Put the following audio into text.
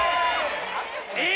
えっ！？